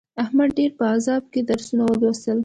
احمد ډېر په عذاب کې درسونه ولوستل.